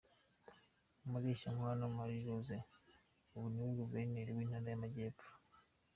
Mureshyankwano Marie Rose ubu niwe Guverineri w’Intara y’Amajyepfo .